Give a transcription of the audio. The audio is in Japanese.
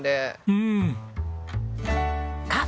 うん！